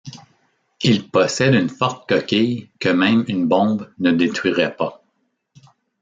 Il possède une forte coquille que même une bombe ne détruirait pas.